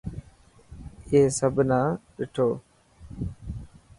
اي سڀ نا ڏٺو.